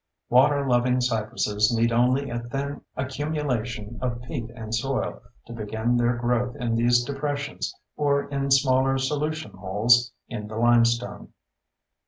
Water loving cypresses need only a thin accumulation of peat and soil to begin their growth in these depressions or in smaller solution holes in the limestone.